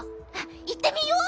いってみよう！